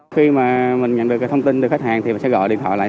khi mà mình nhận được cái thông tin từ khách hàng thì mình sẽ gọi điện thoại lại